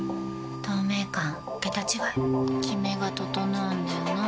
透明感桁違いキメが整うんだよな。